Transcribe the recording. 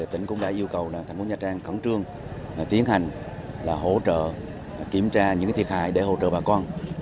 tỉnh cũng đã yêu cầu thành phố nha trang khẩn trương tiến hành hỗ trợ kiểm tra những thiệt hại để hỗ trợ bà con